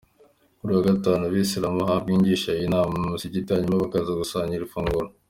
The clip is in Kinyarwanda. Kuri uyu munsi Abayisilamu bahabwa inyigisho na Imam mu Musigiti hanyuma bakaza gusangira ifunguro.